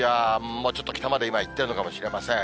もうちょっと北までいってるのかもしれません。